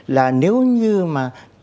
là nếu như mà